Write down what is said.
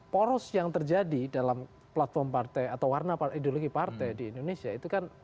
poros yang terjadi dalam platform partai atau warna ideologi partai di indonesia itu kan